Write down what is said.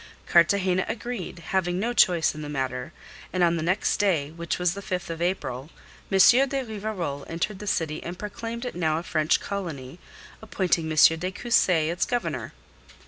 Cartagena agreed, having no choice in the matter, and on the next day, which was the 5th of April, M. de Rivarol entered the city and proclaimed it now a French colony, appointing M. de Cussy its Governor.